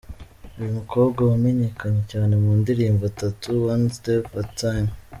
Uyu mukobwa wamenyekanye cyane mu ndirimbo Tatoo, One Step at a time….